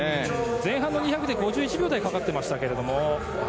前半の２００で５１秒台がかかっていましたけれども。